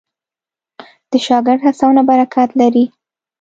د شاګرد هڅونه برکت لري.